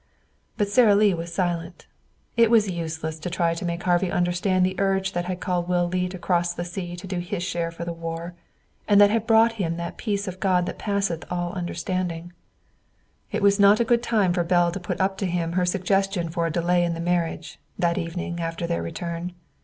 But Sara Lee was silent. It was useless to try to make Harvey understand the urge that had called Will Leete across the sea to do his share for the war, and that had brought him that peace of God that passeth all understanding. It was not a good time for Belle to put up to him her suggestion for a delay in the marriage, that evening after their return.